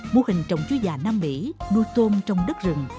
mô hình trồng chuối già nam mỹ nuôi tôm trong đất rừng